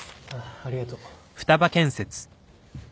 ありがとう。